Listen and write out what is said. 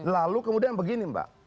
lalu kemudian begini mbak